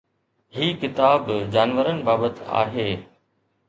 هي ڪتاب جانورن بابت آهي.